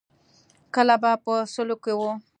کله به په سلو کې وه.